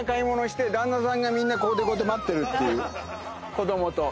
子供と。